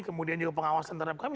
kemudian juga pengawasan terhadap kami